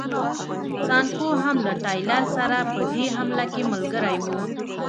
سانکو هم له ټایلر سره په دې حمله کې ملګری و.